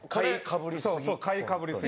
買いかぶりすぎ。